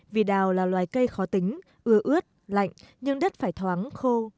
vì đào là loài cây khó tính ưa ướt lạnh nhưng đất phải thoáng khô